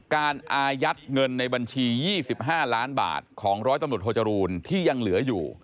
อายัดเงินในบัญชี๒๕ล้านบาทของร้อยตำรวจโทจรูลที่ยังเหลืออยู่